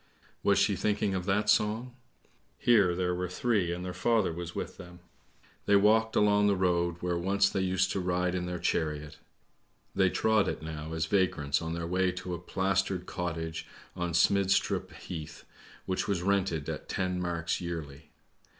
Was she thinking of that song? Here there were three and their father was with them. They walked along the road where once they used to ride in their chariot. They trod it now as vagrants, on their way to a plastered cottage on Smidstrup Heath, which was rented at ten marks yearly.